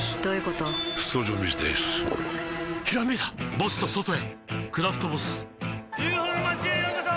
ボスと外へ「クラフトボス」ＵＦＯの町へようこそ！